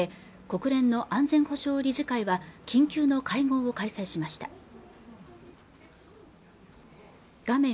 国連の安全保障理事会は緊急の会合を開催しました画面